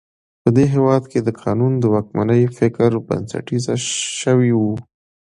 په دې هېواد کې د قانون د واکمنۍ فکر بنسټیزه شوی و.